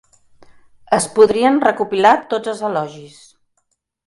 Es podrien recopilar tots els elogis.